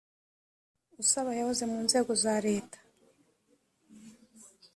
usaba yahoze mu nzego za leta